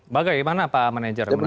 bagaimana pak manager menurut anda